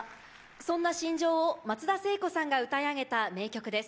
そんな心情を松田聖子さんが歌い上げた名曲です。